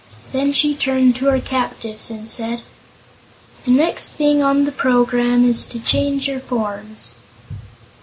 Then she turned to her captives and said: "The next thing on the programme is to change your forms."